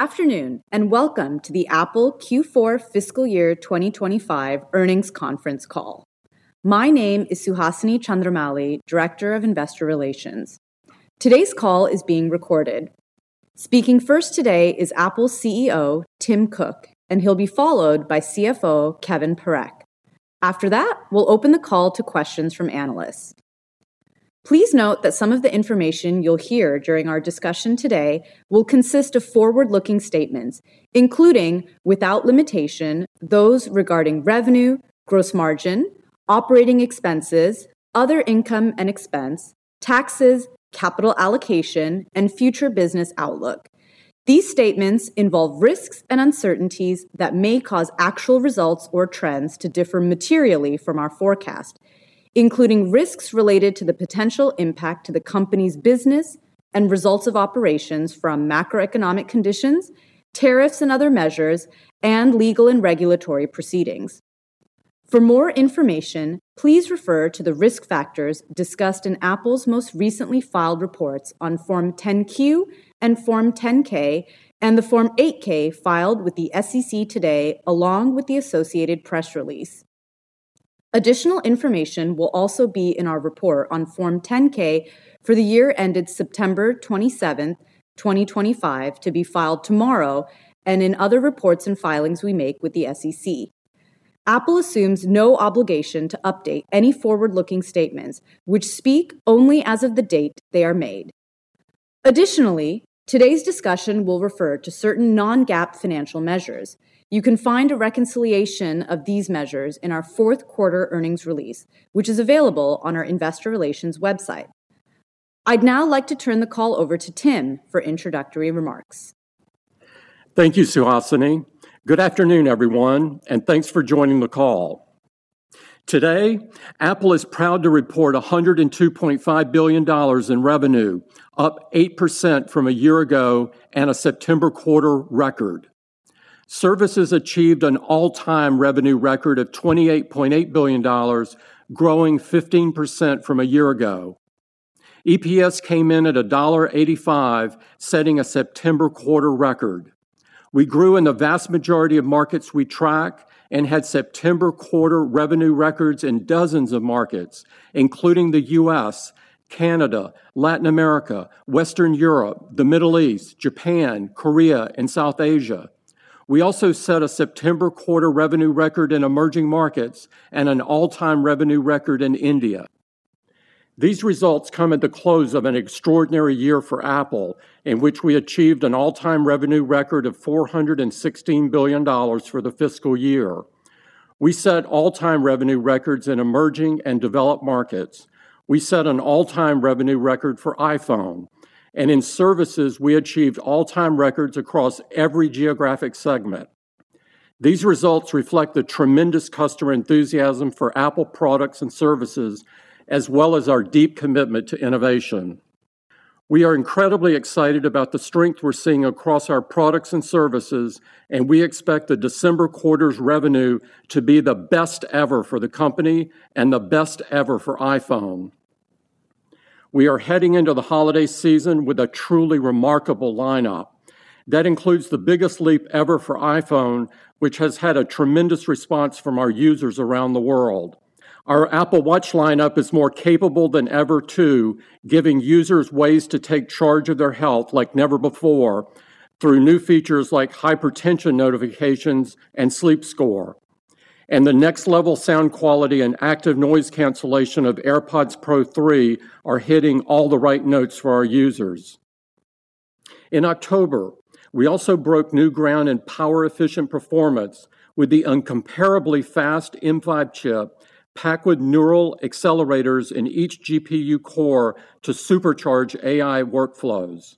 Afternoon, and welcome to the Apple Q4 fiscal year 2025 earnings conference call. My name is Suhasini Chandramouli, Director of Investor Relations. Today's call is being recorded. Speaking first today is Apple's CEO, Tim Cook, and he'll be followed by CFO, Kevan Parekh. After that, we'll open the call to questions from analysts. Please note that some of the information you'll hear during our discussion today will consist of forward-looking statements, including, without limitation, those regarding revenue, gross margin, operating expenses, other income and expense, taxes, capital allocation, and future business outlook. These statements involve risks and uncertainties that may cause actual results or trends to differ materially from our forecast, including risks related to the potential impact to the company's business and results of operations from macroeconomic conditions, tariffs and other measures, and legal and regulatory proceedings. For more information, please refer to the risk factors discussed in Apple's most recently filed reports on Form 10-Q and Form 10-K, and the Form 8-K filed with the SEC today, along with the associated press release. Additional information will also be in our report on Form 10-K for the year ended September 27, 2025, to be filed tomorrow and in other reports and filings we make with the SEC. Apple assumes no obligation to update any forward-looking statements, which speak only as of the date they are made. Additionally, today's discussion will refer to certain non-GAAP financial measures. You can find a reconciliation of these measures in our fourth quarter earnings release, which is available on our Investor Relations website. I'd now like to turn the call over to Tim for introductory remarks. Thank you, Suhasini. Good afternoon, everyone, and thanks for joining the call. Apple is proud to report $102.5 billion in revenue, up 8% from a year ago and a September quarter record. Services achieved an all-time revenue record of $28.8 billion, growing 15% from a year ago. EPS came in at $1.85, setting a September quarter record. We grew in the vast majority of markets we track and had September quarter revenue records in dozens of markets, including the U.S., Canada, Latin America, Western Europe, the Middle East, Japan, Korea, and South Asia. We also set a September quarter revenue record in emerging markets and an all-time revenue record in India. These results come at the close of an extraordinary year for Apple, in which we achieved an all-time revenue record of $416 billion for the fiscal year. We set all-time revenue records in emerging and developed markets. We set an all-time revenue record for iPhone. In services, we achieved all-time records across every geographic segment. These results reflect the tremendous customer enthusiasm Apple products and services, as well as our deep commitment to innovation. We are incredibly excited about the strength we're seeing across our products and services, and we expect the December quarter's revenue to be the best ever for the company and the best ever for iPhone. We are heading into the holiday season with a truly remarkable lineup that includes the biggest leap ever for iPhone, which has had a tremendous response from our users around the world. Our Apple Watch lineup is more capable than ever too, giving users ways to take charge of their health like never before through new features like hypertension notifications and sleep score. The next-level sound quality and active noise cancellation of AirPods Pro 3 are hitting all the right notes for our users. In October, we also broke new ground in power-efficient performance with the uncomparably fast M5 chip, packed with neural accelerators in each GPU core to supercharge AI workloads.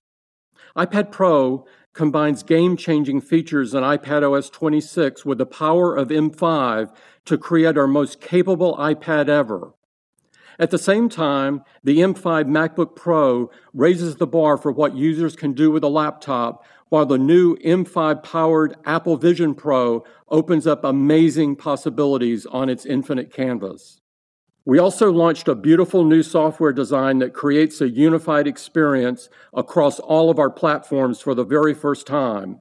iPad Pro combines game-changing features in iPadOS 26 with the power of M5 to create our most capable iPad ever. At the same time, the M5 MacBook Pro raises the bar for what users can do with a laptop, while the new M5-powered Apple Vision Pro opens up amazing possibilities on its infinite canvas. We also launched a beautiful new software design that creates a unified experience across all of our platforms for the very first time.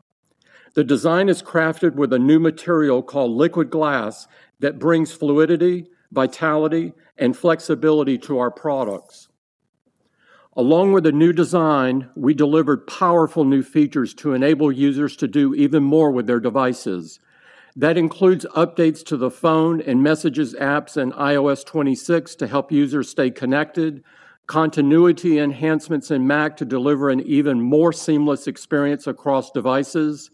The design is crafted with a new material called Liquid Glass that brings fluidity, vitality, and flexibility to our products. Along with the new design, we delivered powerful new features to enable users to do even more with their devices. That includes updates to the phone and messages apps in iOS 26 to help users stay connected, continuity enhancements in Mac to deliver an even more seamless experience across devices,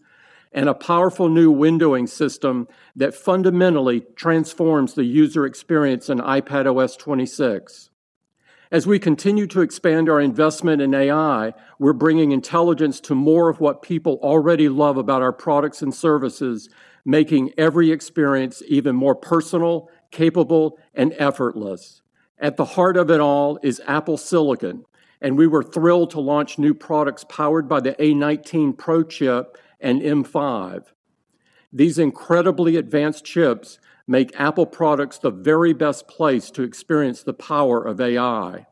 and a powerful new windowing system that fundamentally transforms the user experience in iPadOS 26. As we continue to expand our investment in AI, we're bringing intelligence to more of what people already love about our products and services, making every experience even more personal, capable, and effortless. At the heart of it all is Apple Silicon, and we were thrilled to launch new products powered by the A19 Pro chip and M5. These incredibly advanced chips make Apple products the very best place to experience the power of AI.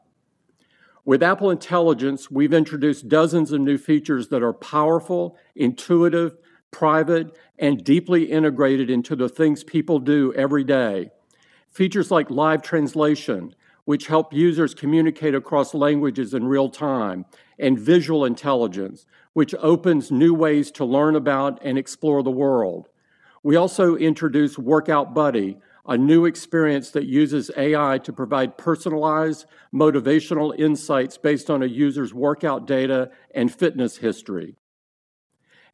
With Apple Intelligence, we've introduced dozens of new features that are powerful, intuitive, private, and deeply integrated into the things people do every day. Features like live translation, which help users communicate across languages in real time, and visual intelligence, which opens new ways to learn about and explore the world. We also introduced Workout Buddy, a new experience that uses AI to provide personalized motivational insights based on a user's workout data and fitness history.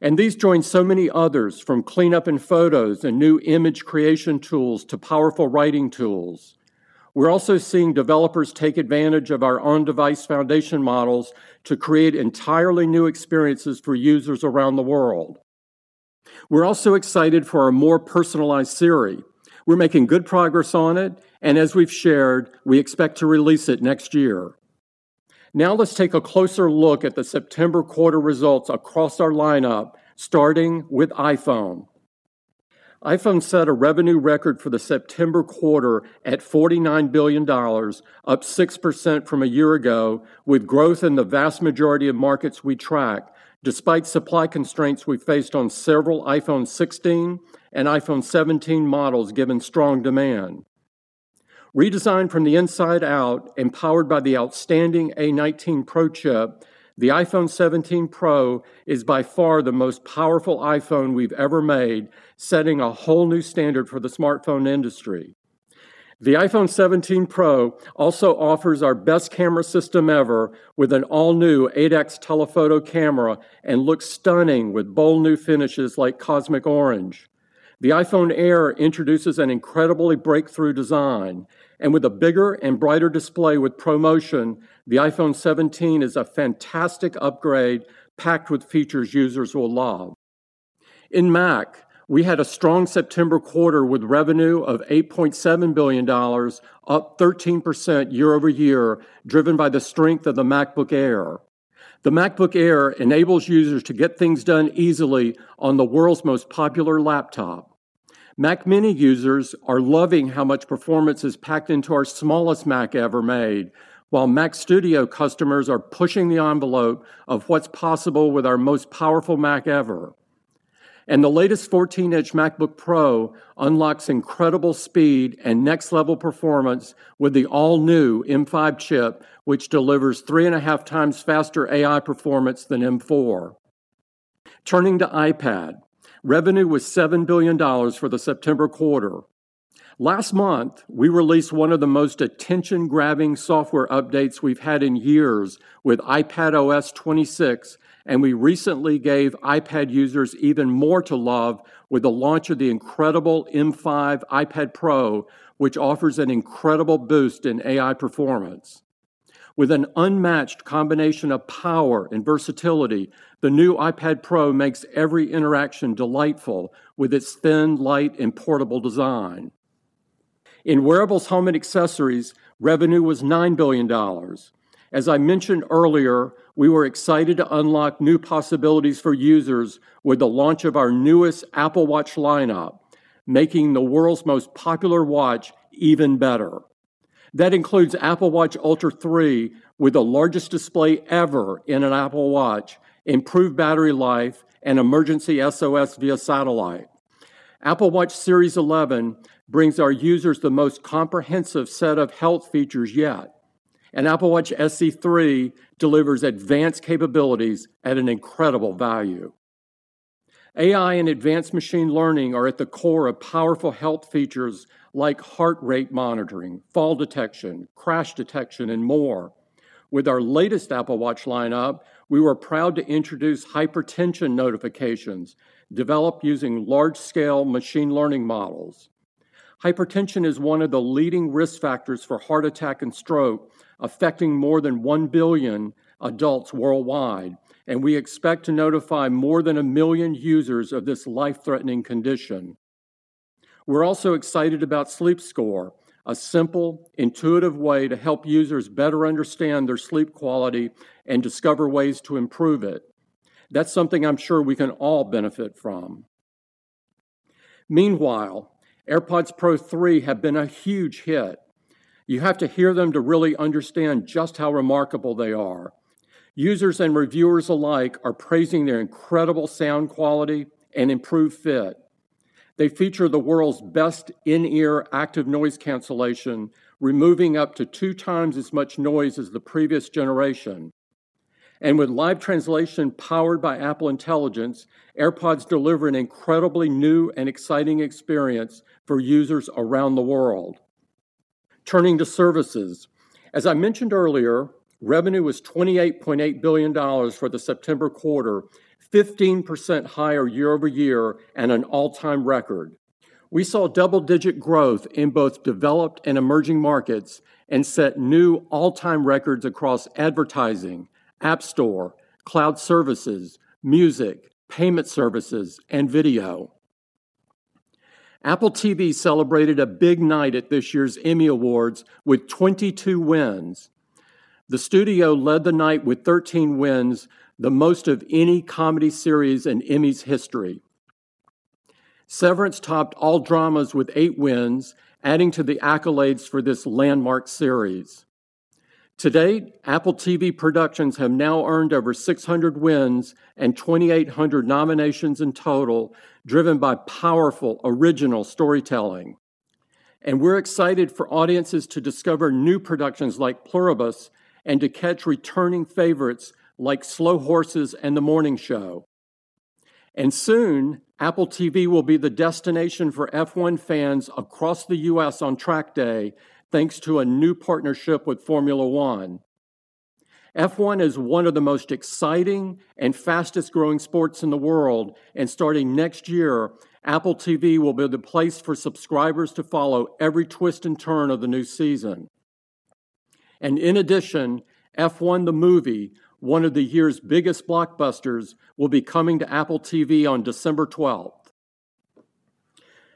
These join so many others, from cleanup in photos and new image creation tools to powerful writing tools. We're also seeing developers take advantage of our on-device foundation models to create entirely new experiences for users around the world. We're also excited for a more personalized Siri. We're making good progress on it, and as we've shared, we expect to release it next year. Now let's take a closer look at the September quarter results across our lineup, starting with iPhone. iPhone set a revenue record for the September quarter at $49 billion, up 6% from a year ago, with growth in the vast majority of markets we track, despite supply constraints we faced on several iPhone 16 and iPhone 17 models given strong demand. Redesigned from the inside out and powered by the outstanding A19 Pro chip, the iPhone 17 Pro is by far the most powerful iPhone we've ever made, setting a whole new standard for the smartphone industry. The iPhone 17 Pro also offers our best camera system ever, with an all-new 8x telephoto camera, and looks stunning with bold new finishes like Cosmic Orange. The iPhone Air introduces an incredibly breakthrough design, and with a bigger and brighter display with ProMotion, the iPhone 17 is a fantastic upgrade packed with features users will love. In Mac, we had a strong September quarter with revenue of $8.7 billion, up 13% year-over-year, driven by the strength of the MacBook Air. The MacBook Air enables users to get things done easily on the world's most popular laptop. Mac Mini users are loving how much performance is packed into our smallest Mac ever made, while Mac Studio customers are pushing the envelope of what's possible with our most powerful Mac ever. The latest 14-inch MacBook Pro unlocks incredible speed and next-level performance with the all-new M5 chip, which delivers three and a half times faster AI performance than M4. Turning to iPad, revenue was $7 billion for the September quarter. Last month, we released one of the most attention-grabbing software updates we've had in years with iPadOS 26, and we recently gave iPad users even more to love with the launch of the incredible M5 iPad Pro, which offers an incredible boost in AI performance. With an unmatched combination of power and versatility, the new iPad Pro makes every interaction delightful with its thin, light, and portable design. In wearables, home and accessories, revenue was $9 billion. As I mentioned earlier, we were excited to unlock new possibilities for users with the launch of our newest Apple Watch lineup, making the world's most popular watch even better. That includes Apple Watch Ultra 3 with the largest display ever in an Apple Watch, improved battery life, and emergency SOS via satellite. Apple Watch Series 11 brings our users the most comprehensive set of health features yet, and Apple Watch SE 3 delivers advanced capabilities at an incredible value. AI and advanced machine learning are at the core of powerful health features like heart rate monitoring, fall detection, crash detection, and more. With our latest Apple Watch lineup, we were proud to introduce hypertension notifications developed using large-scale machine learning models. Hypertension is one of the leading risk factors for heart attack and stroke, affecting more than 1 billion adults worldwide, and we expect to notify more than a million users of this life-threatening condition. We're also excited about SleepScore, a simple, intuitive way to help users better understand their sleep quality and discover ways to improve it. That's something I'm sure we can all benefit from. Meanwhile, AirPods Pro 3 have been a huge hit. You have to hear them to really understand just how remarkable they are. Users and reviewers alike are praising their incredible sound quality and improved fit. They feature the world's best in-ear active noise cancellation, removing up to two times as much noise as the previous generation. With live translation powered by Apple Intelligence, AirPods deliver an incredibly new and exciting experience for users around the world. Turning to services, as I mentioned earlier, revenue was $28.8 billion for the September quarter, 15% higher year-over-year and an all-time record. We saw double-digit growth in both developed and emerging markets and set new all-time records across advertising, App Store, cloud services, music, payment services, and video. Apple TV celebrated a big night at this year's Emmy Awards with 22 wins. The studio led the night with 13 wins, the most of any comedy series in Emmy's history. Severance topped all dramas with eight wins, adding to the accolades for this landmark series. To date, Apple TV productions have now earned over 600 wins and 2,800 nominations in total, driven by powerful, original storytelling. We're excited for audiences to discover new productions like Pluribus and to catch returning favorites like Slow Horses and The Morning Show. Soon, Apple TV will be the destination for F1 fans across the U.S. on track day, thanks to a new partnership with Formula One. F1 is one of the most exciting and fastest-growing sports in the world, and starting next year, Apple TV will be the place for subscribers to follow every twist and turn of the new season. In addition, F1: The Movie, one of the year's biggest blockbusters, will be coming to Apple TV on December 12th.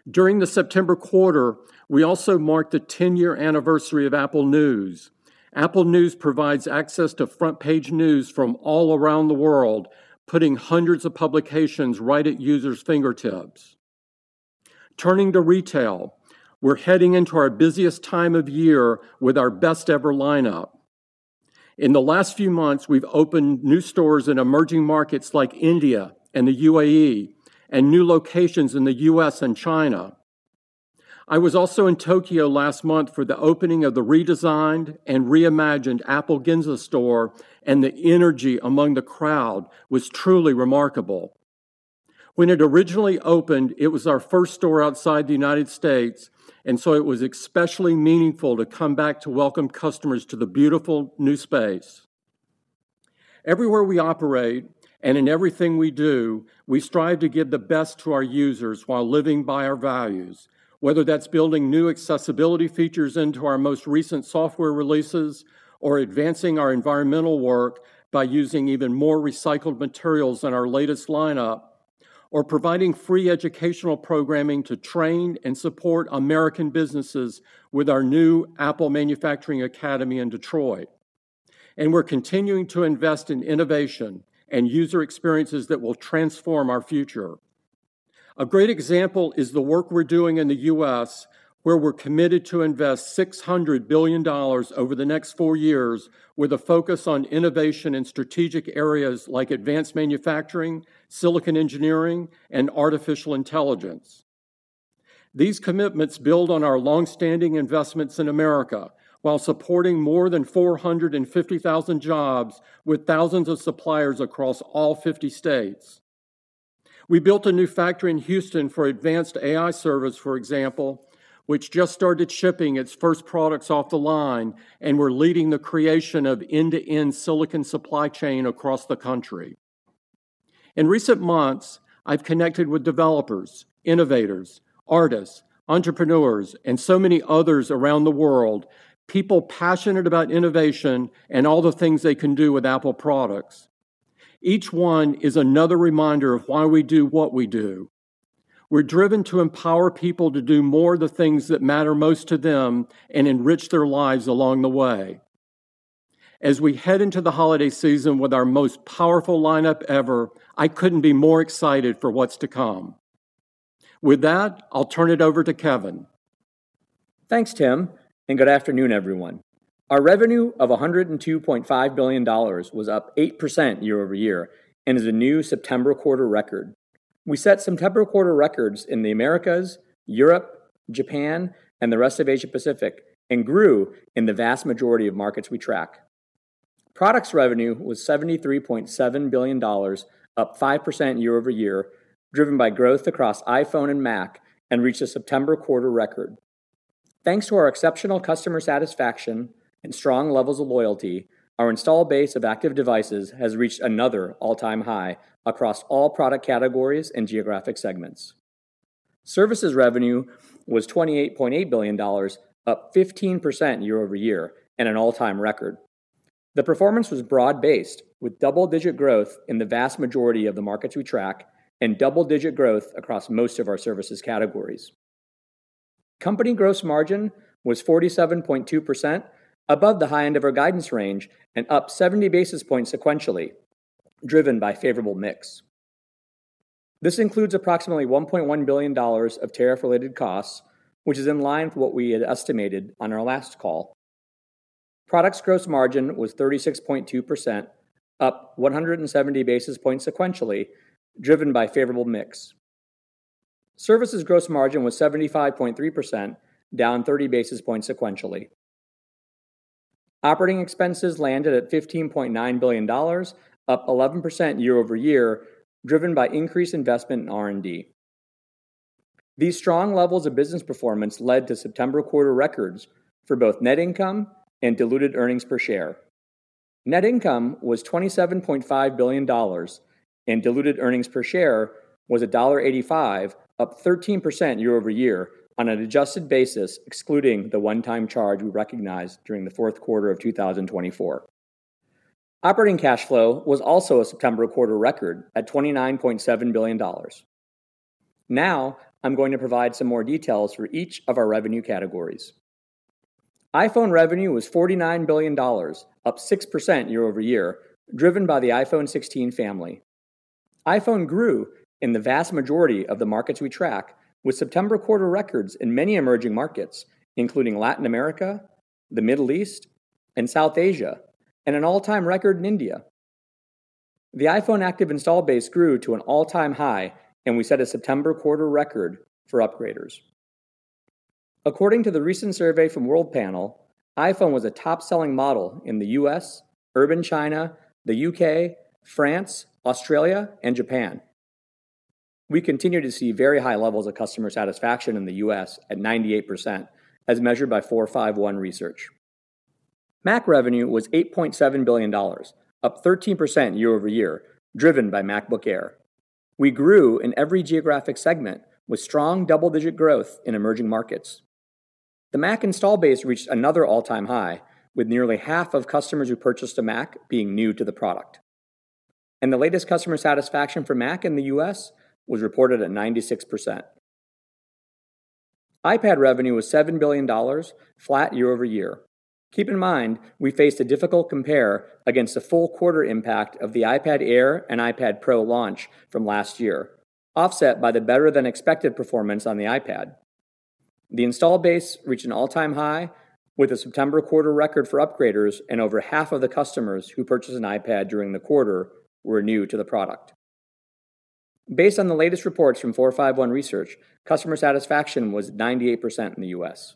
During the September quarter, we also marked the 10-year anniversary of Apple News. Apple News provides access to front-page news from all around the world, putting hundreds of publications right at users' fingertips. Turning to retail, we're heading into our busiest time of year with our best-ever lineup. In the last few months, we've opened new stores in emerging markets like India and the UAE and new locations in the U.S. and China. I was also in Tokyo last month for the opening of the redesigned and reimagined Apple Ginza store, and the energy among the crowd was truly remarkable. When it originally opened, it was our first store outside the U.S., and so it was especially meaningful to come back to welcome customers to the beautiful new space. Everywhere we operate and in everything we do, we strive to give the best to our users while living by our values, whether that's building new accessibility features into our most recent software releases, advancing our environmental work by using even more recycled materials in our latest lineup, or providing free educational programming to train and support American businesses with our new Apple Manufacturing Academy in Detroit. We're continuing to invest in innovation and user experiences that will transform our future. A great example is the work we're doing in the U.S., where we're committed to invest $600 billion over the next four years with a focus on innovation in strategic areas like advanced manufacturing, silicon engineering, and artificial intelligence. These commitments build on our longstanding investments in America while supporting more than 450,000 jobs with thousands of suppliers across all 50 states. We built a new factory in Houston for advanced AI service, for example, which just started shipping its first products off the line, and we're leading the creation of end-to-end silicon supply chain across the country. In recent months, I've connected with developers, innovators, artists, entrepreneurs, and so many others around the world, people passionate about innovation and all the things they can do with Apple products. Each one is another reminder of why we do what we do. We're driven to empower people to do more of the things that matter most to them and enrich their lives along the way. As we head into the holiday season with our most powerful lineup ever, I couldn't be more excited for what's to come. With that, I'll turn it over to Kevan. Thanks, Tim, and good afternoon, everyone. Our revenue of $102.5 billion was up 8% year-over-year and is a new September quarter record. We set September quarter records in the Americas, Europe, Japan, and the rest of Asia-Pacific, and grew in the vast majority of markets we track. Products revenue was $73.7 billion, up 5% year-over-year, driven by growth across iPhone and Mac, and reached a September quarter record. Thanks to our exceptional customer satisfaction and strong levels of loyalty, our install base of active devices has reached another all-time high across all product categories and geographic segments. Services revenue was $28.8 billion, up 15% year-over-year, and an all-time record. The performance was broad-based, with double-digit growth in the vast majority of the markets we track and double-digit growth across most of our services categories. Company gross margin was 47.2%, above the high end of our guidance range and up 70 basis points sequentially, driven by favorable mix. This includes approximately $1.1 billion of tariff-related costs, which is in line with what we had estimated on our last call. Products gross margin was 36.2%, up 170 basis points sequentially, driven by favorable mix. Services gross margin was 75.3%, down 30 basis points sequentially. Operating expenses landed at $15.9 billion, up 11% year-over-year, driven by increased investment in R&D. These strong levels of business performance led to September quarter records for both net income and diluted earnings per share. Net income was $27.5 billion. Diluted earnings per share was $1.85, up 13% year-over-year on an adjusted basis, excluding the one-time charge we recognized during the fourth quarter of 2024. Operating cash flow was also a September quarter record at $29.7 billion. Now, I'm going to provide some more details for each of our revenue categories. iPhone revenue was $49 billion, up 6% year-over-year, driven by the iPhone 16 family. iPhone grew in the vast majority of the markets we track, with September quarter records in many emerging markets, including Latin America, the Middle East, and South Asia, and an all-time record in India. The iPhone active install base grew to an all-time high, and we set a September quarter record for upgraders. According to the recent survey from World Panel, iPhone was a top-selling model in the U.S., urban China, the U.K., France, Australia, and Japan. We continue to see very high levels of customer satisfaction in the U.S. at 98%, as measured by 451 Research. Mac revenue was $8.7 billion, up 13% year-over-year, driven by MacBook Air. We grew in every geographic segment with strong double-digit growth in emerging markets. The Mac install base reached another all-time high, with nearly half of customers who purchased a Mac being new to the product. The latest customer satisfaction for Mac in the U.S. was reported at 96%. iPad revenue was $7 billion, flat year-over-year. Keep in mind we faced a difficult compare against the full quarter impact of the iPad Air and iPad Pro launch from last year, offset by the better-than-expected performance on the iPad. The install base reached an all-time high, with a September quarter record for upgraders, and over half of the customers who purchased an iPad during the quarter were new to the product. Based on the latest reports from 451 Research, customer satisfaction was 98% in the U.S.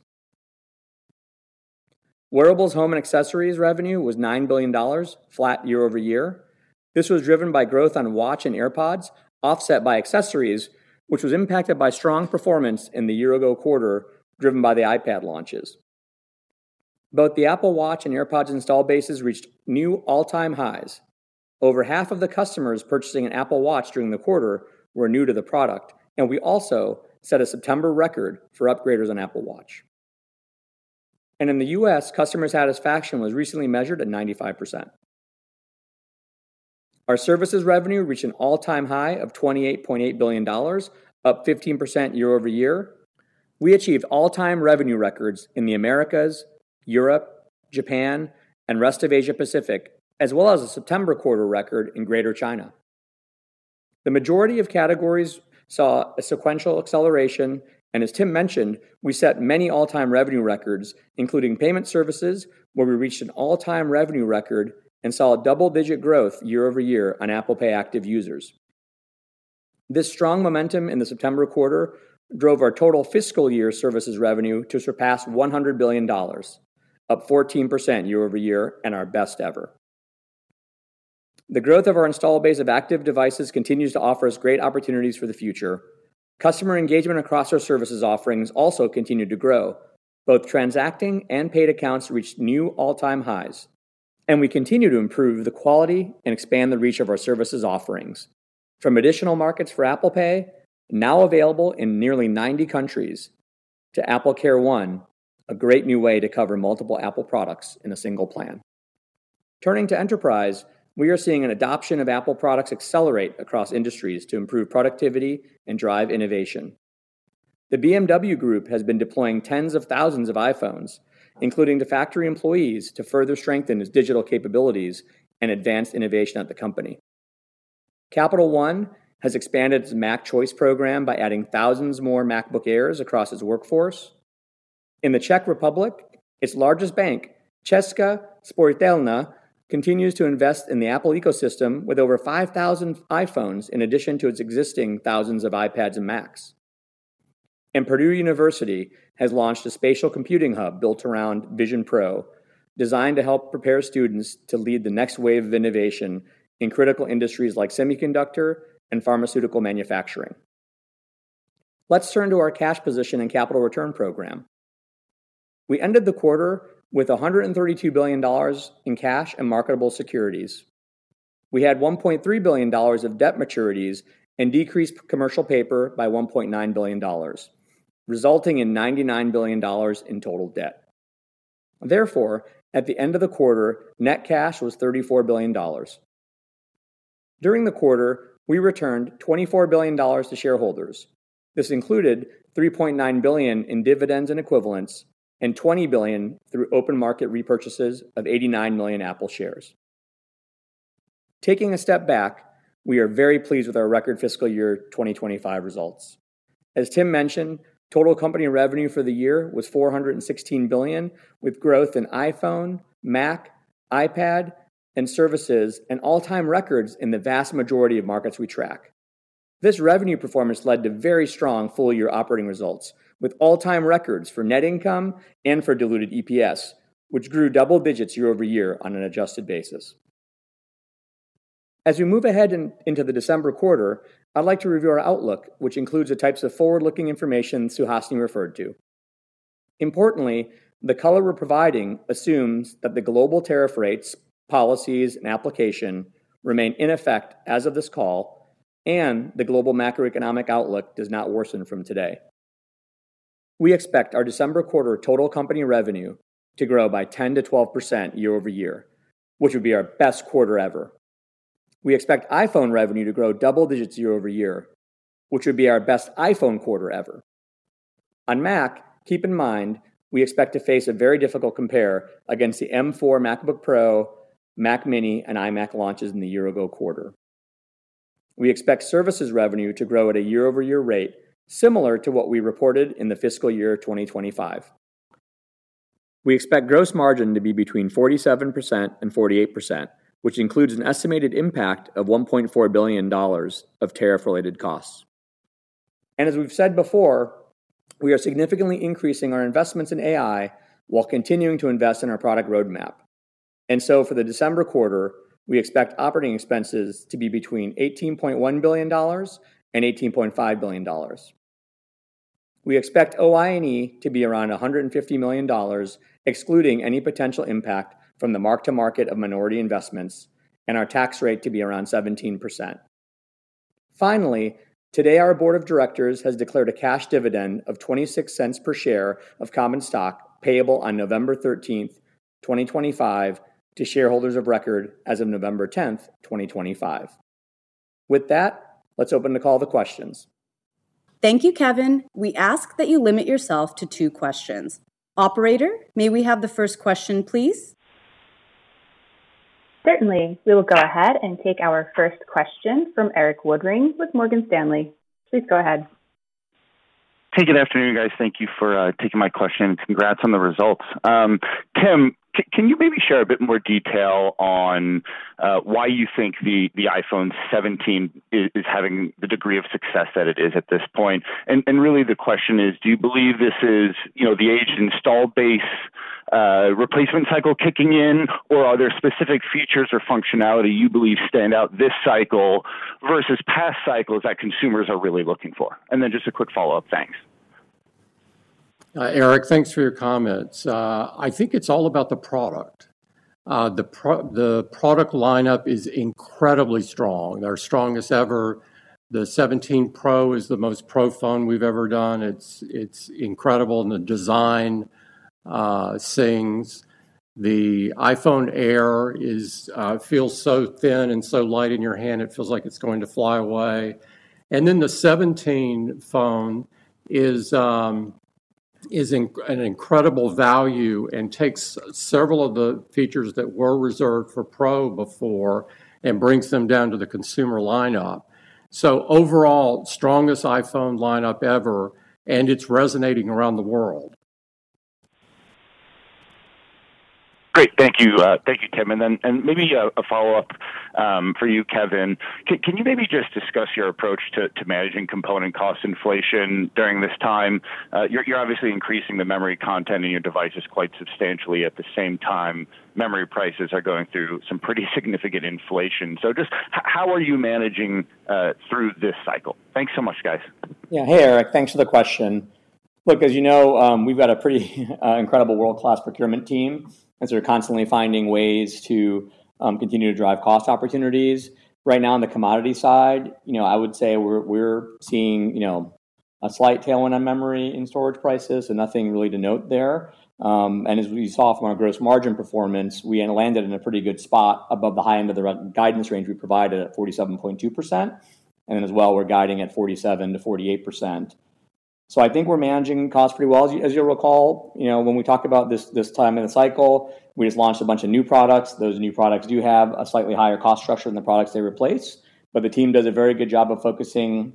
Wearables, home, and accessories revenue was $9 billion, flat year-over-year. This was driven by growth on Watch and AirPods, offset by accessories, which was impacted by strong performance in the year-ago quarter, driven by the iPad launches. Both the Apple Watch and AirPods install bases reached new all-time highs. Over half of the customers purchasing an Apple Watch during the quarter were new to the product. We also set a September record for upgraders on Apple Watch. In the U.S., customer satisfaction was recently measured at 95%. Our services revenue reached an all-time high of $28.8 billion, up 15% year-over-year. We achieved all-time revenue records in the Americas, Europe, Japan, and rest of Asia-Pacific, as well as a September quarter record in Greater China. The majority of categories saw a sequential acceleration, and as Tim mentioned, we set many all-time revenue records, including payment services, where we reached an all-time revenue record and saw double-digit growth year-over-year on Apple Pay active users. This strong momentum in the September quarter drove our total fiscal year services revenue to surpass $100 billion, up 14% year-over-year and our best ever. The growth of our install base of active devices continues to offer us great opportunities for the future. Customer engagement across our services offerings also continued to grow. Both transacting and paid accounts reached new all-time highs. We continue to improve the quality and expand the reach of our services offerings, from additional markets for Apple Pay, now available in nearly 90 countries, to Apple Care One, a great new way to cover multiple Apple products in a single plan. Turning to enterprise, we are seeing an adoption of Apple products accelerate across industries to improve productivity and drive innovation. The BMW Group has been deploying tens of thousands of iPhones, including to factory employees, to further strengthen its digital capabilities and advanced innovation at the company. Capital One has expanded its Mac Choice program by adding thousands more MacBook Airs across its workforce. In the Czech Republic, its largest bank, Česká spořitelna, continues to invest in the Apple ecosystem with over 5,000 iPhones in addition to its existing thousands of iPads and Macs. Purdue University has launched a spatial computing hub built around Apple Vision Pro, designed to help prepare students to lead the next wave of innovation in critical industries like semiconductor and pharmaceutical manufacturing. Let's turn to our cash position and capital return program. We ended the quarter with $132 billion in cash and marketable securities. We had $1.3 billion of debt maturities and decreased commercial paper by $1.9 billion, resulting in $99 billion in total debt. Therefore, at the end of the quarter, net cash was $34 billion. During the quarter, we returned $24 billion to shareholders. This included $3.9 billion in dividends and equivalents and $20 billion through open market repurchases of 89 million Apple shares. Taking a step back, we are very pleased with our record fiscal year 2025 results. As Tim mentioned, total company revenue for the year was $416 billion, with growth in iPhone, Mac, iPad, and services, and all-time records in the vast majority of markets we track. This revenue performance led to very strong full-year operating results, with all-time records for net income and for diluted EPS, which grew double digits year-over-year on an adjusted basis. As we move ahead into the December quarter, I'd like to review our outlook, which includes the types of forward-looking information Suhasini referred to. Importantly, the color we're providing assumes that the global tariff rates, policies, and application remain in effect as of this call, and the global macroeconomic outlook does not worsen from today. We expect our December quarter total company revenue to grow by 10%-12% year-over-year, which would be our best quarter ever. We expect iPhone revenue to grow double digits year-over-year, which would be our best iPhone quarter ever. On Mac, keep in mind we expect to face a very difficult compare against the M4 MacBook Pro, Mac Mini, and iMac launches in the year-ago quarter. We expect services revenue to grow at a year-over-year rate similar to what we reported in the fiscal year 2025. We expect gross margin to be between 47% and 48%, which includes an estimated impact of $1.4 billion of tariff-related costs. As we've said before, we are significantly increasing our investments in AI while continuing to invest in our product roadmap. For the December quarter, we expect operating expenses to be between $18.1 billion and $18.5 billion. We expect OI&E to be around $150 million, excluding any potential impact from the mark-to-market of minority investments, and our tax rate to be around 17%. Today our board of directors has declared a cash dividend of $0.26 per share of common stock payable on November 13, 2025, to shareholders of record as of November 10, 2025. With that, let's open the call to questions. Thank you, Kevan. We ask that you limit yourself to two questions. Operator, may we have the first question, please? Certainly. We will go ahead and take our first question from Erik Woodring with Morgan Stanley. Please go ahead. Hey, good afternoon, guys. Thank you for taking my question. Congrats on the results. Tim, can you maybe share a bit more detail on why you think the iPhone 17 is having the degree of success that it is at this point? The question is, do you believe this is the age install base replacement cycle kicking in, or are there specific features or functionality you believe stand out this cycle versus past cycles that consumers are really looking for? Just a quick follow-up, thanks. Erik, thanks for your comments. I think it's all about the product. The product lineup is incredibly strong. They're strongest ever. The 17 Pro is the most pro phone we've ever done. It's incredible in the design. The iPhone Air feels so thin and so light in your hand, it feels like it's going to fly away. The 17 phone is an incredible value and takes several of the features that were reserved for Pro before and brings them down to the consumer lineup. Overall, strongest iPhone lineup ever, and it's resonating around the world. Great. Thank you. Thank you, Tim. Maybe a follow-up for you, Kevan. Can you just discuss your approach to managing component cost inflation during this time? You're obviously increasing the memory content in your devices quite substantially. At the same time, memory prices are going through some pretty significant inflation. Just how are you managing through this cycle? Thanks so much, guys. Yeah. Hey, Erik, thanks for the question. Look, as you know, we've got a pretty incredible world-class procurement team, and we're constantly finding ways to continue to drive cost opportunities. Right now, on the commodity side, I would say we're seeing a slight tailwind on memory and storage prices, so nothing really to note there. As we saw from our gross margin performance, we landed in a pretty good spot above the high end of the guidance range we provided at 47.2%. As well, we're guiding at 47%-48%. I think we're managing costs pretty well. As you'll recall, when we talk about this time in the cycle, we just launched a bunch of new products. Those new products do have a slightly higher cost structure than the products they replace, but the team does a very good job of focusing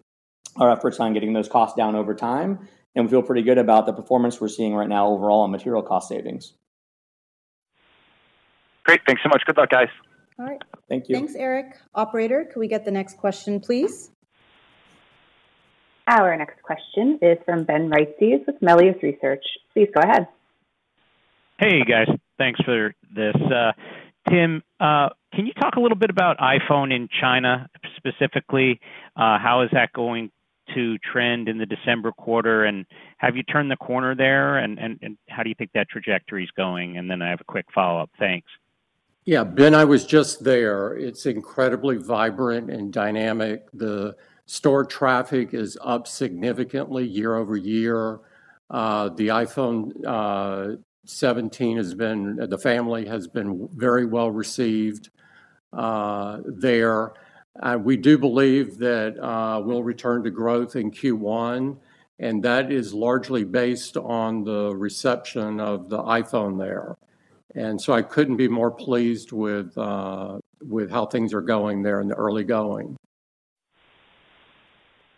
our efforts on getting those costs down over time. We feel pretty good about the performance we're seeing right now overall on material cost savings. Great. Thanks so much. Good luck, guys. All right. Thank you. Thanks, Erik. Operator, can we get the next question, please? Our next question is from Ben Ricey with Melius Research. Please go ahead. Hey, guys. Thanks for this. Tim, can you talk a little bit about iPhone in China specifically? How is that going to trend in the December quarter? Have you turned the corner there, and how do you think that trajectory is going? I have a quick follow-up. Thanks. Yeah. Ben, I was just there. It's incredibly vibrant and dynamic. The store traffic is up significantly year-over-year. The iPhone 17 family has been very well received there. We do believe that we'll return to growth in Q1, and that is largely based on the reception of the iPhone there. I couldn't be more pleased with how things are going there in the early going.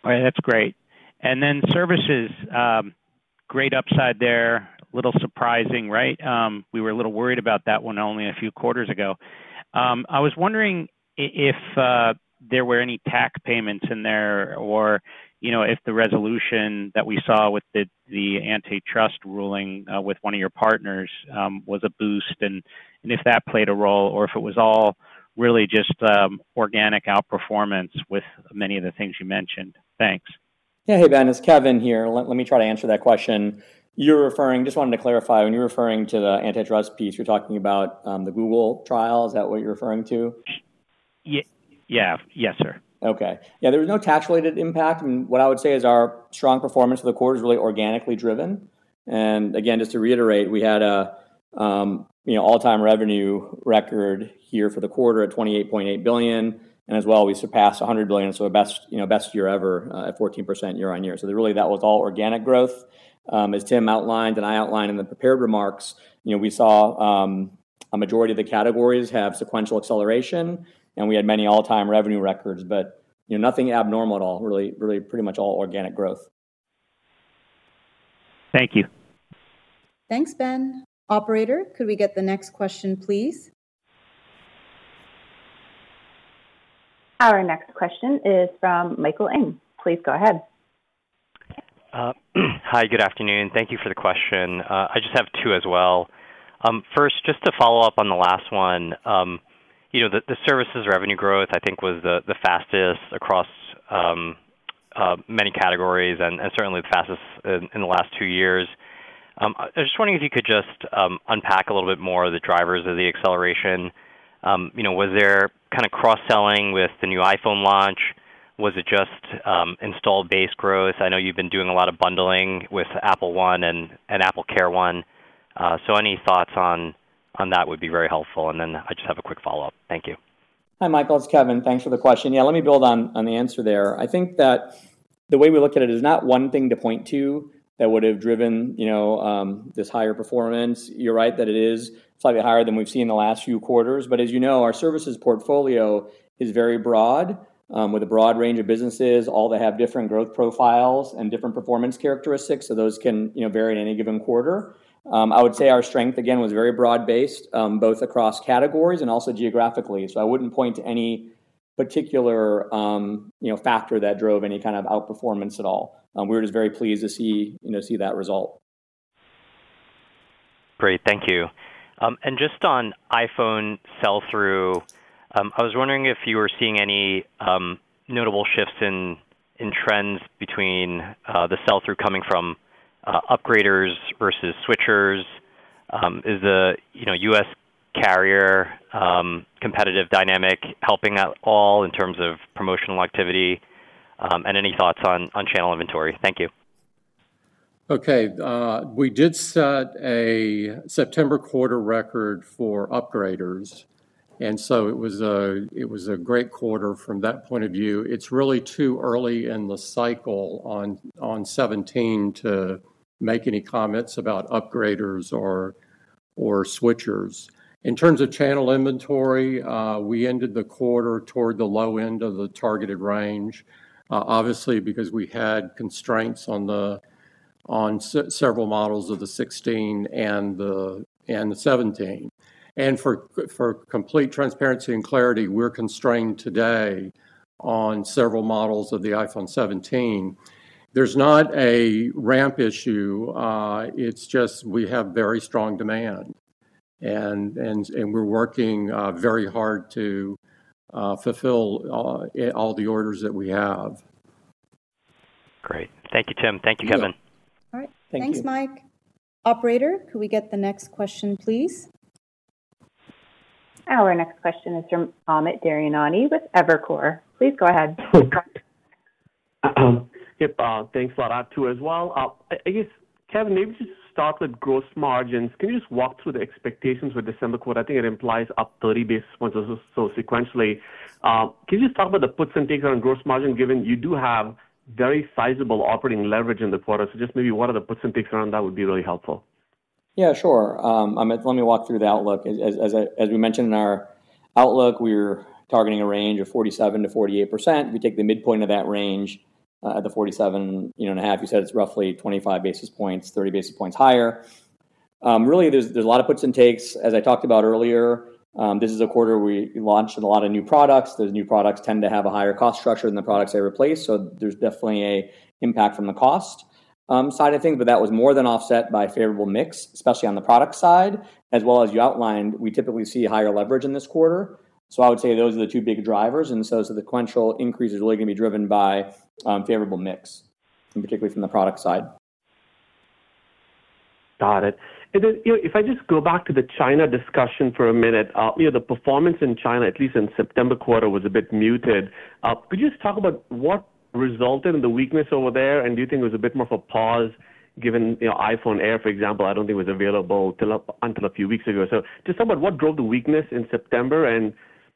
All right. That's great. Services, great upside there. A little surprising, right? We were a little worried about that one only a few quarters ago. I was wondering if there were any tax payments in there or if the resolution that we saw with the antitrust ruling with one of your partners was a boost and if that played a role or if it was all really just organic outperformance with many of the things you mentioned. Thanks. Yeah. Hey, Ben. It's Kevan here. Let me try to answer that question. You're referring, just wanted to clarify. When you're referring to the antitrust piece, you're talking about the Google trial. Is that what you're referring to? Yes, sir. There was no tax-related impact. What I would say is our strong performance for the quarter is really organically driven. Just to reiterate, we had an all-time revenue record here for the quarter at $28.8 billion. As well, we surpassed $100 billion, so best year ever at 14% year-on-year. That was all organic growth. As Tim outlined and I outlined in the prepared remarks, we saw a majority of the categories have sequential acceleration, and we had many all-time revenue records, but nothing abnormal at all, really pretty much all organic growth. Thank you. Thanks, Ben. Operator, could we get the next question, please? Our next question is from Michael Ng. Please go ahead. Hi. Good afternoon. Thank you for the question. I just have two as well. First, just to follow up on the last one. The services revenue growth, I think, was the fastest across many categories and certainly the fastest in the last two years. I was just wondering if you could just unpack a little bit more of the drivers of the acceleration. Was there kind of cross-selling with the new iPhone launch? Was it just installed base growth? I know you've been doing a lot of bundling with Apple One and Apple Care One. Any thoughts on that would be very helpful. I just have a quick follow-up. Thank you. Hi, Michael. It's Kevan. Thanks for the question. Let me build on the answer there. I think that the way we look at it is not one thing to point to that would have driven this higher performance. You're right that it is slightly higher than we've seen in the last few quarters. As you know, our services portfolio is very broad with a broad range of businesses. All have different growth profiles and different performance characteristics, so those can vary in any given quarter. I would say our strength, again, was very broad-based, both across categories and also geographically. I wouldn't point to any particular factor that drove any kind of outperformance at all. We were just very pleased to see that result. Great. Thank you. Just on iPhone sell-through, I was wondering if you were seeing any notable shifts in trends between the sell-through coming from upgraders versus switchers. Is the U.S. carrier competitive dynamic helping at all in terms of promotional activity? Any thoughts on channel inventory? Thank you. We did set a September quarter record for upgraders, and it was a great quarter from that point of view. It's really too early in the cycle on 17 to make any comments about upgraders or switchers. In terms of channel inventory, we ended the quarter toward the low end of the targeted range, obviously because we had constraints on several models of the 16 and the 17. For complete transparency and clarity, we're constrained today on several models of the iPhone 17. There's not a ramp issue. We just have very strong demand, and we're working very hard to fulfill all the orders that we have. Thank you, Tim. Thank you, Kevan. Thank you. Thanks, Mike. Operator, could we get the next question, please? Our next question is from Amit Daryanani with Evercore. Please go ahead. Thanks a lot. I have two as well. Kevan, maybe just to start with gross margins, can you walk through the expectations for December quarter? I think it implies up 30 basis points or so sequentially. Can you talk about the percentage on gross margin given you do have very sizable operating leverage in the quarter? What are the percentages around that would be really helpful. Yeah, sure. Let me walk through the outlook. As we mentioned in our outlook, we're targeting a range of 47%-48%. We take the midpoint of that range at 47.5%. You said it's roughly 25 basis points, 30 basis points higher. There are a lot of percent takes, as I talked about earlier. This is a quarter we launched with a lot of new products. Those new products tend to have a higher cost structure than the products they replace, so there's definitely an impact from the cost side of things, but that was more than offset by favorable mix, especially on the product side. As you outlined, we typically see higher leverage in this quarter. I would say those are the two big drivers, and the sequential increase is really going to be driven by favorable mix, particularly from the product side. Got it. If I go back to the China discussion for a minute, the performance in China, at least in September quarter, was a bit muted. Could you talk about what resulted in the weakness over there? Do you think it was a bit more of a pause given iPhone Air, for example, I don't think was available until a few weeks ago? Just talk about what drove the weakness in September, and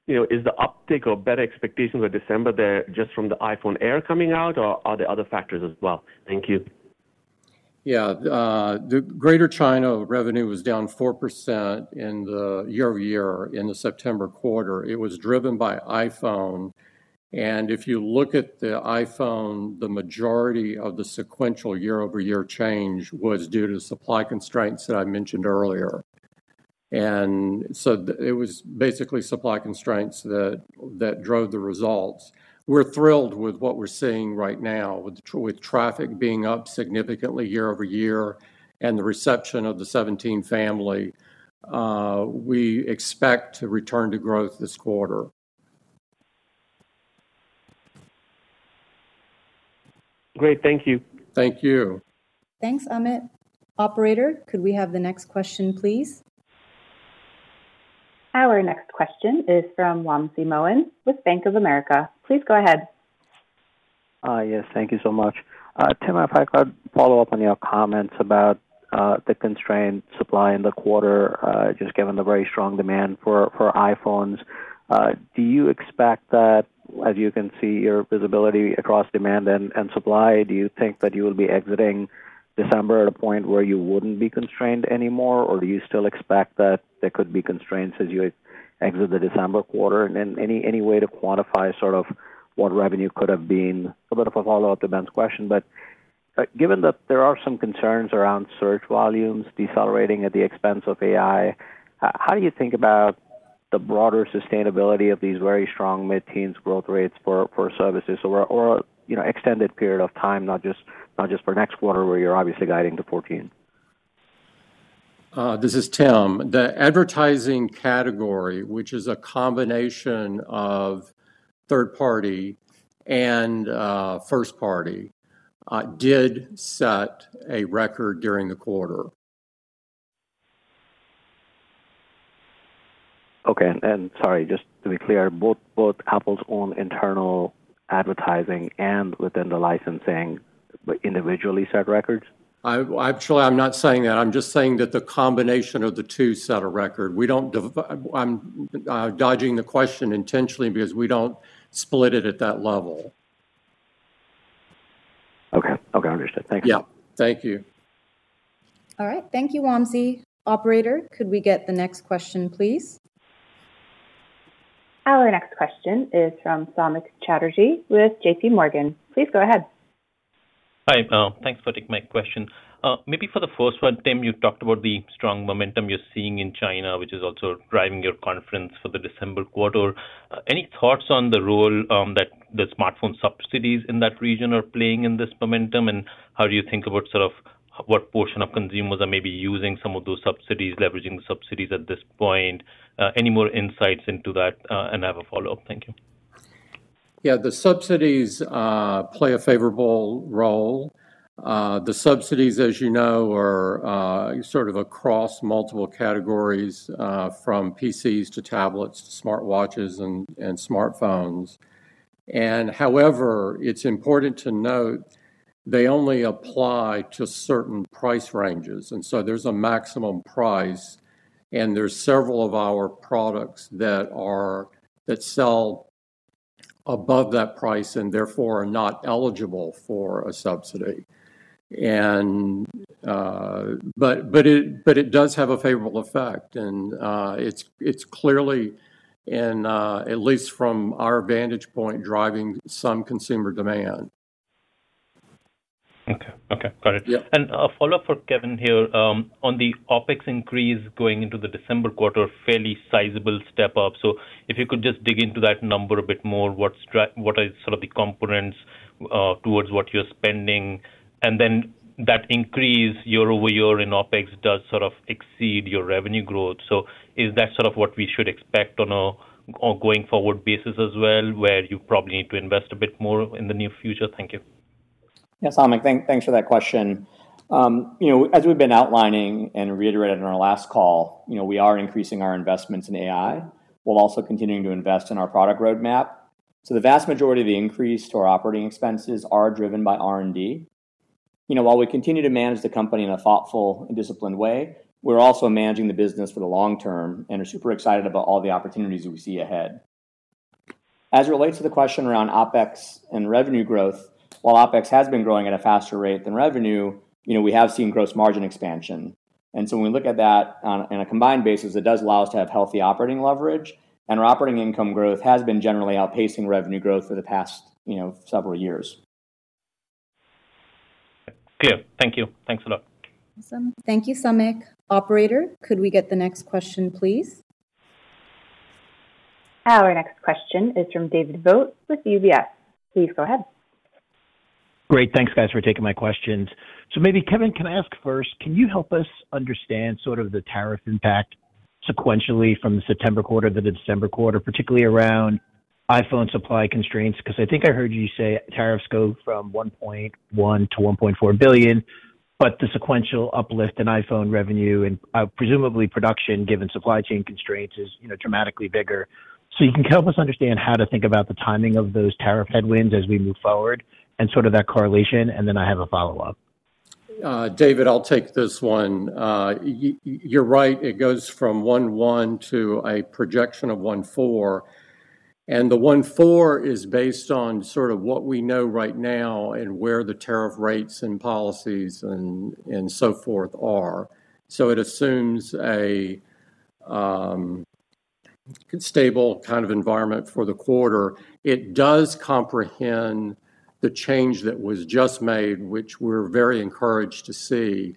is the uptick or better expectations for December there just from the iPhone Air coming out, or are there other factors as well? Thank you. Yeah. The Greater China revenue was down 4% year-over-year in the September quarter. It was driven by iPhone. If you look at the iPhone, the majority of the sequential year-over-year change was due to supply constraints that I mentioned earlier. It was basically supply constraints that drove the results. We're thrilled with what we're seeing right now, with traffic being up significantly year-over-year and the reception of the iPhone 17 family. We expect to return to growth this quarter. Great. Thank you. Thank you. Thanks, Amit. Operator, could we have the next question, please? Our next question is from Wamsi Mohan with Bank of America. Please go ahead. Yes. Thank you so much. Tim, I'd probably follow up on your comments about the constrained supply in the quarter, just given the very strong demand for iPhones. Do you expect that, as you can see your visibility across demand and supply, do you think that you will be exiting December at a point where you wouldn't be constrained anymore, or do you still expect that there could be constraints as you exit the December quarter? Any way to quantify sort of what revenue could have been, a bit of a follow-up to Ben's question. Given that there are some concerns around search volumes decelerating at the expense of AI, how do you think about the broader sustainability of these very strong mid-teens growth rates for services for an extended period of time, not just for next quarter where you're obviously guiding to 14%? This is Tim. The advertising category, which is a combination of third-party and first-party, did set a record during the quarter. Okay. Sorry, just to be clear, both Apple's own internal advertising and within the licensing individually set records? Actually, I'm not saying that. I'm just saying that the combination of the two set a record. I'm dodging the question intentionally because we don't split it at that level. Okay. Okay. Understood. Thank you. Yeah. Thank you. All right. Thank you, Wamsi. Operator, could we get the next question, please? Our next question is from Samik Chatterjee with JPMorgan. Please go ahead. Hi, Mel. Thanks for taking my question. Maybe for the first one, Tim, you talked about the strong momentum you're seeing in China, which is also driving your confidence for the December quarter. Any thoughts on the role that the smartphone subsidies in that region are playing in this momentum? How do you think about sort of what portion of consumers are maybe using some of those subsidies, leveraging the subsidies at this point? Any more insights into that? I have a follow-up. Thank you. Yeah. The subsidies play a favorable role. The subsidies, as you know, are sort of across multiple categories from PCs to tablets to smartwatches and smartphones. However, it's important to note they only apply to certain price ranges. There's a maximum price, and there's several of our products that sell above that price and therefore are not eligible for a subsidy. It does have a favorable effect, and it's clearly, at least from our vantage point, driving some consumer demand. Okay. Got it. A follow-up for Kevan here on the OpEx increase going into the December quarter, fairly sizable step up. If you could just dig into that number a bit more, what are sort of the components towards what you're spending? That increase year-over-year in OpEx does sort of exceed your revenue growth. Is that sort of what we should expect on a going-forward basis as well, where you probably need to invest a bit more in the near future? Thank you. Yeah. Samik, thanks for that question. As we've been outlining and reiterated in our last call, we are increasing our investments in AI. We'll also continue to invest in our product roadmap. The vast majority of the increase to our operating expenses are driven by R&D. While we continue to manage the company in a thoughtful and disciplined way, we're also managing the business for the long term and are super excited about all the opportunities we see ahead. As it relates to the question around OpEx and revenue growth, while OpEx has been growing at a faster rate than revenue, we have seen gross margin expansion. When we look at that on a combined basis, it does allow us to have healthy operating leverage, and our operating income growth has been generally outpacing revenue growth for the past several years. Clear. Thank you. Thanks a lot. Awesome. Thank you, Samik. Operator, could we get the next question, please? Our next question is from David Vogt with UBS. Please go ahead. Great. Thanks, guys, for taking my questions. Maybe, Kevan, can I ask first, can you help us understand the tariff impact sequentially from the September quarter to the December quarter, particularly around iPhone supply constraints? I think I heard you say tariffs go from $1.1 billion to $1.4 billion, but the sequential uplift in iPhone revenue and presumably production, given supply chain constraints, is dramatically bigger. Can you help us understand how to think about the timing of those tariff headwinds as we move forward and that correlation? I have a follow-up. David, I'll take this one. You're right. It goes from $1.1 billion to a projection of $1.4 billion. The $1.4 billion is based on what we know right now and where the tariff rates and policies are. It assumes a stable kind of environment for the quarter. It does comprehend the change that was just made, which we're very encouraged to see,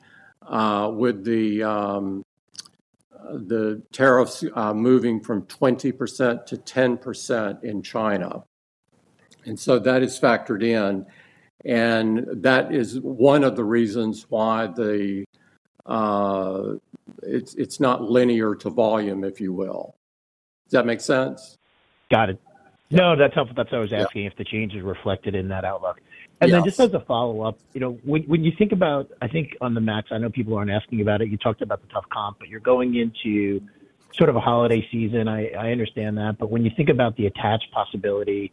with the tariffs moving from 20% to 10% in China. That is factored in, and that is one of the reasons why it's not linear to volume, if you will. Does that make sense? Got it. No, that's helpful. That's what I was asking, if the change is reflected in that outlook. As a follow-up, when you think about, I think on the Mac, I know people aren't asking about it, you talked about the tough comp, you're going into a holiday season. I understand that. When you think about the attached possibility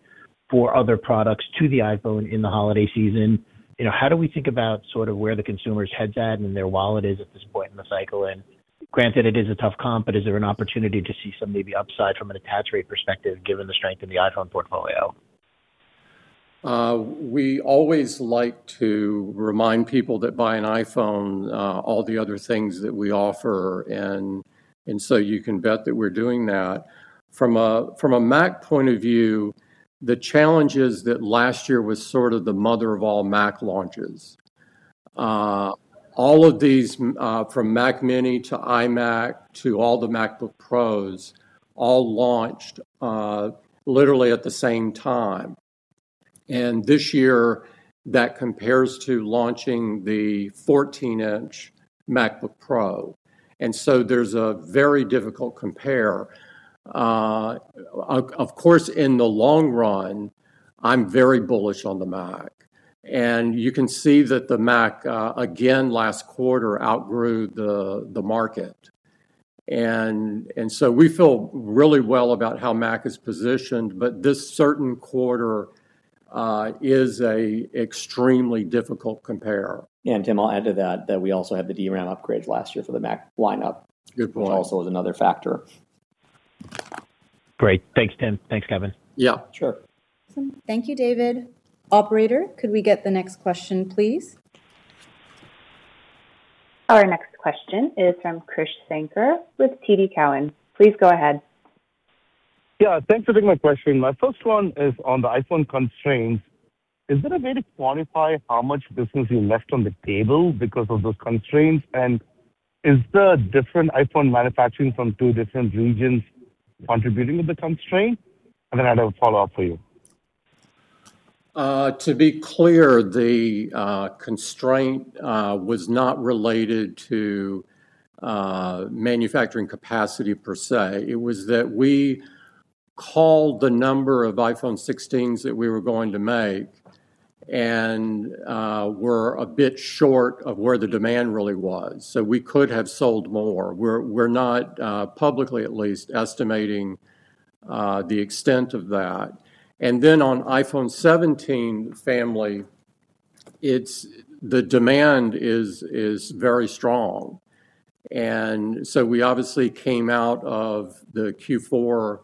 for other products to the iPhone in the holiday season, how do we think about where the consumer's head is at and their wallet is at this point in the cycle? Granted, it is a tough comp, but is there an opportunity to see some upside from an attached rate perspective given the strength of the iPhone portfolio? We always like to remind people that by an iPhone, all the other things that we offer. You can bet that we're doing that. From a Mac point of view, the challenge is that last year was the mother of all Mac launches. All of these, from Mac Mini to iMac to all the MacBook Pros, all launched literally at the same time. This year, that compares to launching the 14-inch MacBook Pro, so there's a very difficult compare. Of course, in the long run, I'm very bullish on the Mac. You can see that the Mac, again, last quarter outgrew the market. We feel really well about how Mac is positioned, but this certain quarter is an extremely difficult compare. Tim, I'll add to that that we also had the DRAM upgrades last year for the Mac lineup, which also was another factor. Great. Thanks, Tim. Thanks, Kevan. Yeah. Sure. Awesome. Thank you, David. Operator, could we get the next question, please? Our next question is from Krish Sankar with TD Cowen. Please go ahead. Yeah. Thanks for taking my question. My first one is on the iPhone constraints. Is it a way to quantify how much business you left on the table because of those constraints? Is the different iPhone manufacturing from two different regions contributing to the constraint? I have a follow-up for you. To be clear, the constraint was not related to manufacturing capacity per se. It was that we called the number of iPhone 16s that we were going to make and were a bit short of where the demand really was. We could have sold more. We're not, publicly at least, estimating the extent of that. On iPhone 17 family, the demand is very strong. We obviously came out of the Q4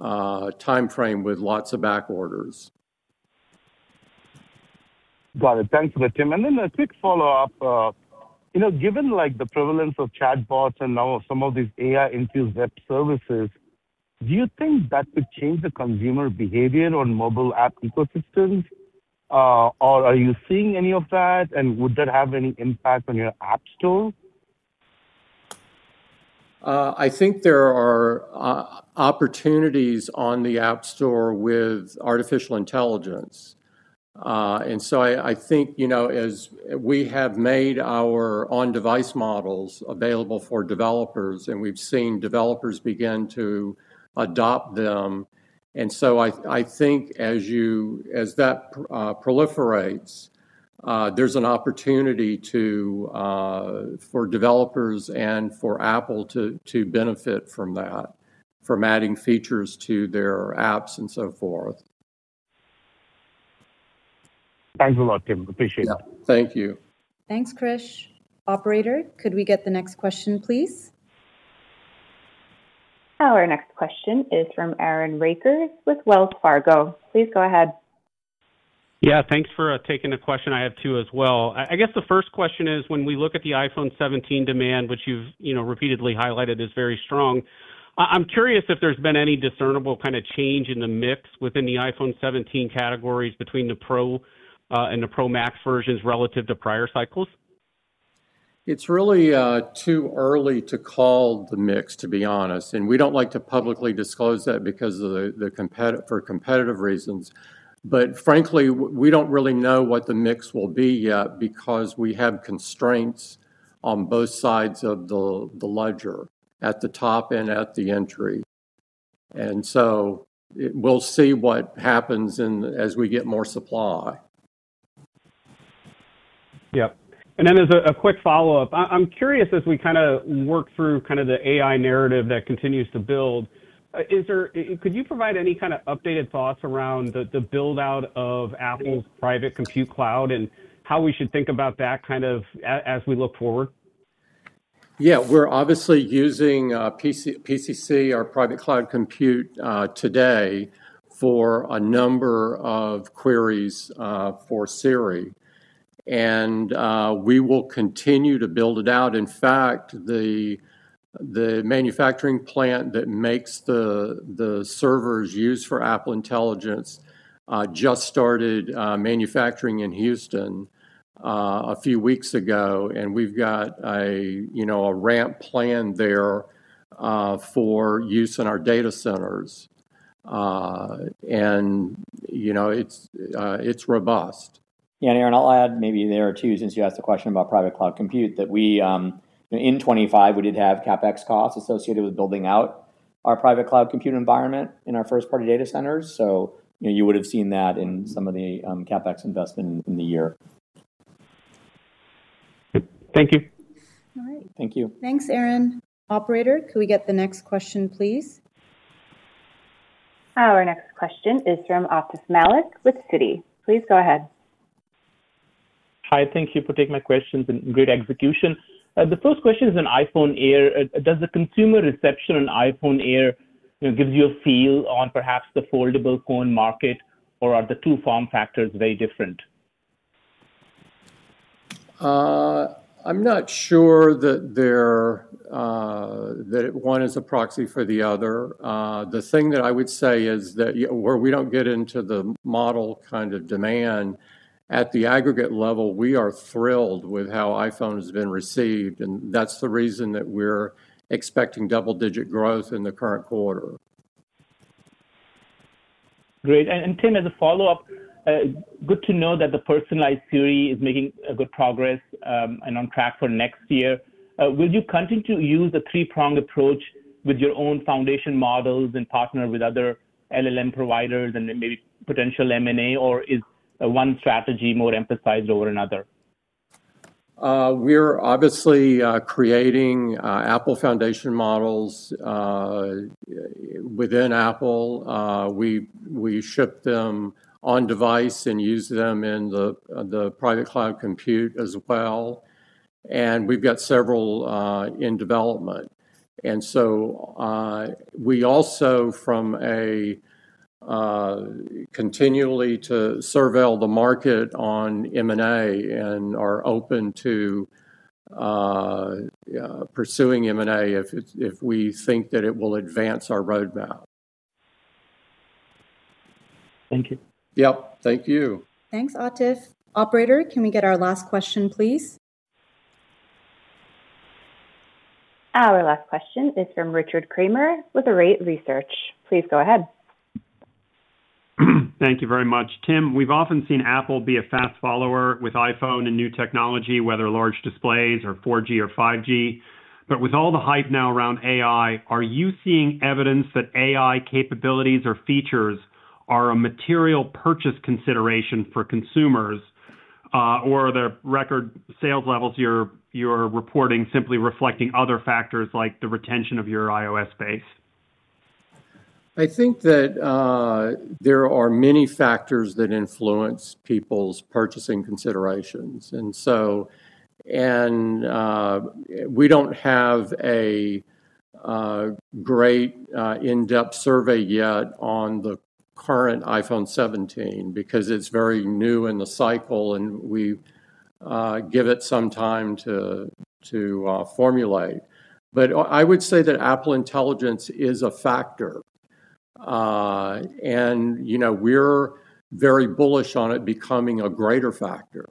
timeframe with lots of backorders. Got it. Thanks for that, Tim. A quick follow-up. Given the prevalence of chatbots and now some of these AI-infused web services, do you think that could change the consumer behavior on mobile app ecosystems? Are you seeing any of that? Would that have any impact on your App Store? I think there are opportunities on the App Store with artificial intelligence. As we have made our on-device models available for developers, we've seen developers begin to adopt them. As that proliferates, there's an opportunity for developers and for Apple to benefit from that, from adding features to their apps and so forth. Thanks a lot, Tim. Appreciate it. Yeah. Thank you. Thanks, Krish. Operator, could we get the next question, please? Our next question is from Aaron Rakers with Wells Fargo. Please go ahead. Yeah. Thanks for taking the question. I have two as well. I guess the first question is, when we look at the iPhone 17 demand, which you've repeatedly highlighted as very strong, I'm curious if there's been any discernible kind of change in the mix within the iPhone 17 categories between the Pro and the Pro Max versions relative to prior cycles? It's really too early to call the mix, to be honest. We don't like to publicly disclose that for competitive reasons. Frankly, we don't really know what the mix will be yet because we have constraints on both sides of the ledger, at the top and at the entry. We'll see what happens as we get more supply. As a quick follow-up, I'm curious as we work through the AI narrative that continues to build. Could you provide any updated thoughts around the buildout of Apple's Private Compute Cloud and how we should think about that as we look forward? We're obviously using PCC, our Private Cloud Compute, today for a number of queries for Siri, and we will continue to build it out. In fact, the manufacturing plant that makes the servers used for Apple Intelligence just started manufacturing in Houston a few weeks ago, and we've got a ramp planned there for use in our data centers. It's robust. Aaron, I'll add maybe there too, since you asked the question about Private Cloud Compute, that in 2025, we did have CapEx costs associated with building out our Private Cloud Compute environment in our first-party data centers. You would have seen that in some of the CapEx investment in the year. Thank you. Thank you. Thanks, Aaron. Operator, could we get the next question, please? Our next question is from Atif Malik with Citi. Please go ahead. Hi. Thank you for taking my questions and great execution. The first question is on iPhone Air. Does the consumer reception on iPhone Air give you a feel on perhaps the foldable phone market, or are the two form factors very different? I'm not sure that one is a proxy for the other. The thing that I would say is that where we don't get into the model kind of demand, at the aggregate level, we are thrilled with how iPhone has been received, and that's the reason that we're expecting double-digit growth in the current quarter. Great. Tim, as a follow-up, good to know that the personalized Siri is making good progress and on track for next year. Will you continue to use a three-pronged approach with your own foundation models and partner with other LLM providers and maybe potential M&A, or is one strategy more emphasized over another? We're obviously creating Apple foundation models within Apple. We ship them on-device and use them in the Private Cloud Compute as well, and we've got several in development. We also continually surveil the market on M&A and are open to pursuing M&A if we think that it will advance our roadmap. Thank you. Yep. Thank you. Thanks, Atif. Operator, can we get our last question, please? Our last question is from Richard Kramer with Arete Research. Please go ahead. Thank you very much. Tim, we've often seen Apple be a fast follower with iPhone and new technology, whether large displays or 4G or 5G. With all the hype now around AI, are you seeing evidence that AI capabilities or features are a material purchase consideration for consumers, or are the record sales levels you're reporting simply reflecting other factors like the retention of your iOS base? I think that there are many factors that influence people's purchasing considerations. We don't have a great in-depth survey yet on the current iPhone 17 because it's very new in the cycle, and we give it some time to formulate. I would say that Apple Intelligence is a factor, and we're very bullish on it becoming a greater factor.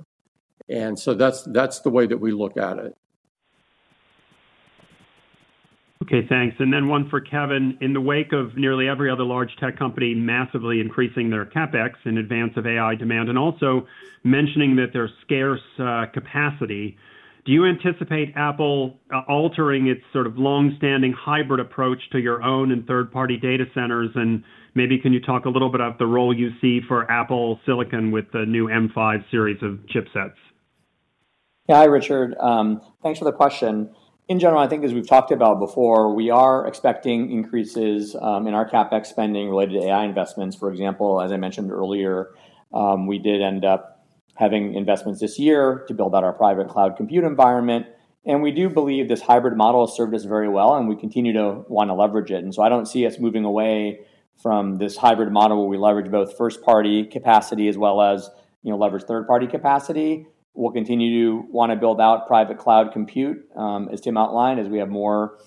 That's the way that we look at it. Okay. Thanks. One for Kevan. In the wake of nearly every other large tech company massively increasing their CapEx in advance of AI demand and also mentioning that there's scarce capacity, do you anticipate Apple altering its sort of long-standing hybrid approach to your own and third-party data centers? Maybe can you talk a little bit about the role you see for Apple Silicon with the new M5 series of chipsets? Hi, Richard. Thanks for the question. In general, I think, as we've talked about before, we are expecting increases in our CapEx spending related to AI investments. For example, as I mentioned earlier, we did end up having investments this year to build out our Private Cloud Compute environment. We do believe this hybrid model has served us very well, and we continue to want to leverage it.I don't see us moving away from this hybrid model where we leverage both first-party capacity as well as leverage third-party capacity. We'll continue to want to build out Private Cloud Compute, as Tim outlined, as we have more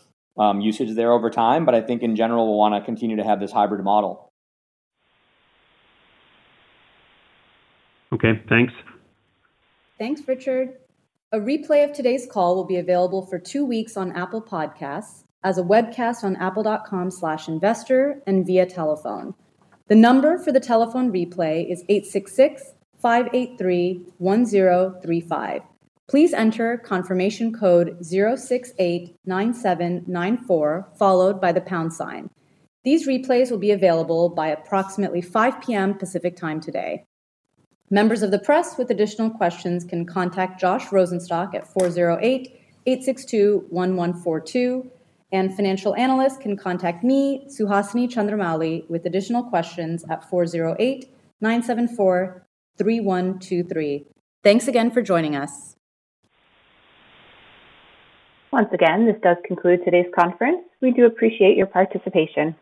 usage there over time. In general, we'll want to continue to have this hybrid model. Okay. Thanks. Thanks, Richard. A replay of today's call will be available for two weeks on Apple Podcasts as a webcast on apple.com/investor and via telephone. The number for the telephone replay is 866-583-1035. Please enter confirmation code 0689794 followed by the pound sign. These replays will be available by approximately 5:00 P.M. Pacific Time today. Members of the press with additional questions can contact Josh Rosenstock at 408-862-1142. Financial analysts can contact me, Suhasini Chandramouli, with additional questions at 408-974-3123. Thanks again for joining us. This does conclude today's conference. We do appreciate your participation.